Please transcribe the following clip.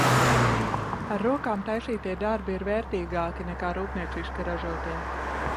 Ar rokām taisītie darbi ir vērtīgāki, nekā rūpnieciski ražotie!